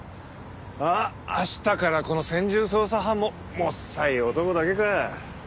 ああ明日からこの専従捜査班ももっさい男だけか。